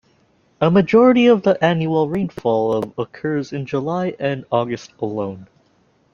A majority of the annual rainfall of occurs in July and August alone.